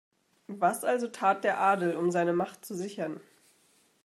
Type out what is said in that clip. Was also tat der Adel, um seine Macht zu sichern?